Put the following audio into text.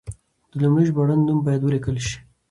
د لومړي ژباړن نوم باید ولیکل شي.